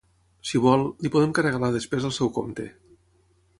Si vol, li podem carregar la despesa al seu compte.